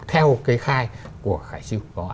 theo cái khai của khải sưu